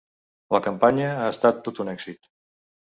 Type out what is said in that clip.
La campanya ha estat tot un èxit.